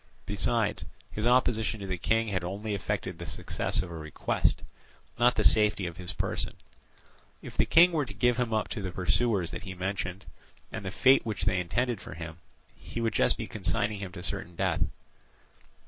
Besides, his opposition to the king had only affected the success of a request, not the safety of his person; if the king were to give him up to the pursuers that he mentioned, and the fate which they intended for him, he would just be consigning him to certain death.